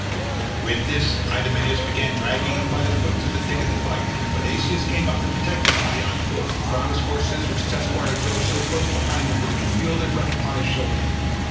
With this Idomeneus began dragging him by the foot through the thick of the fight, but Asius came up to protect the body, on foot, in front of his horses which his esquire drove so close behind him that he could feel their breath upon his shoulder.